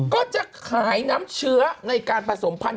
ก็จะขายน้ำเชื้อในการผสมพันธุ